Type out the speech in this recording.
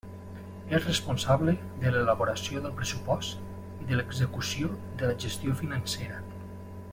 És responsable de l'elaboració del pressupost i de l'execució de la gestió financera.